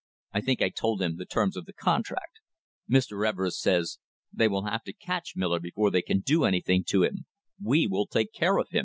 I think I told him the terms of the contract. ... Mr. Everest says, 'They will have to catch Miller before they can do anything to him; we will take care of him.'"